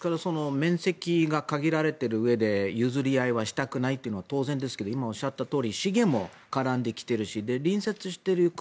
面積が限られているうえで譲り合いはしたくないのは当然ですが今おっしゃったとおり資源も絡んできているし隣接している国